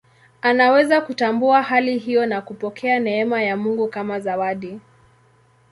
Anaweza kutambua hali hiyo na kupokea neema ya Mungu kama zawadi.